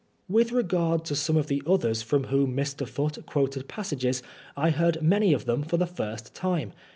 With regard to some of the others from whom Mr. Foote quoted passages, I heard many of them for the first time.